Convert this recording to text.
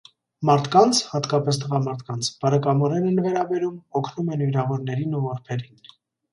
Մարդկանց (հատկապես տղամարդկանց) բարեկամորեն են վերաբերում, օգնում են վիրավորներին ու որբերին։